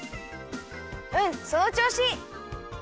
うんそのちょうし！